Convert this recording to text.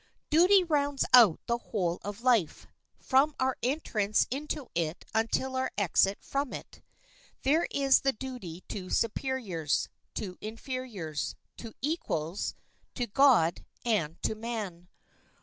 Duty rounds out the whole of life, from our entrance into it until our exit from it. There is the duty to superiors, to inferiors, to equals, to God and to man.